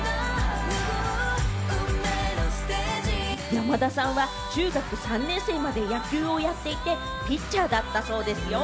山田さんは中学３年生まで野球をやっていて、ピッチャーだったそうですよ。